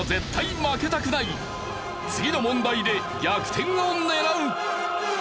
次の問題で逆転を狙う！